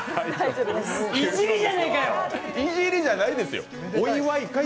いじりじゃないですよ。